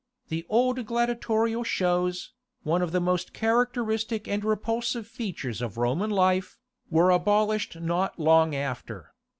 The old gladiatorial shows, one of the most characteristic and repulsive features of Roman life, were abolished not long after.